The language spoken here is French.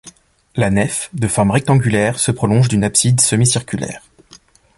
La nef, de forme rectangulaire, se prolonge d'une abside semi-circulaire.